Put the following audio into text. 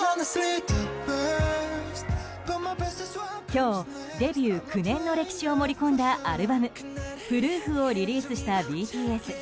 今日、デビュー９年の歴史を盛り込んだアルバム「Ｐｒｏｏｆ」をリリースしたＢＴＳ。